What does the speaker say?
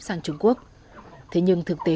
sang trung quốc thế nhưng thực tế